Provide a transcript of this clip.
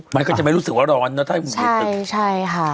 มันก็จะไม่รู้สึกว่าร้อนเนอะถ้าให้มุมเป็นตึกใช่ใช่ค่ะ